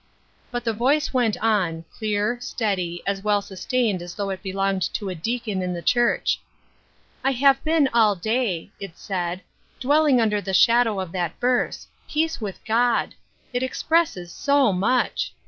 But the voice went on, clear, steady, as well sustained as though it belonged to a deacon in the church. " I have been all day," it said, *' dwelling under the shadow of that verse, ' Peace with God !' It expresses so much